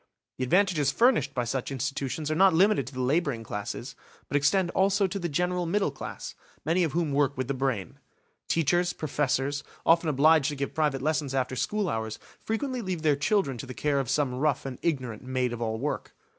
The advantages furnished by such institutions are not limited to the labouring classes, but extend also to the general middle class, many of whom work with the brain. Teachers, professors, often obliged to give private lessons after school hours, frequently leave their children to the care of some rough and ignorant maid of all work.